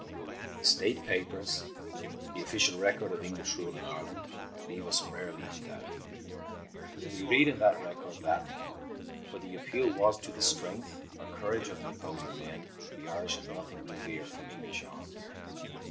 The State Papers, the official record of English rule in Ireland, leave us rarely in doubt. We read in that record that, where the appeal was to the strength or courage of the opposing men, the Irish had nothing to fear from English arms.